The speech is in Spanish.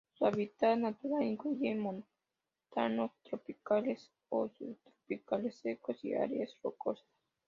Su hábitat natural incluye montanos tropicales o subtropicales secos y áreas rocosas.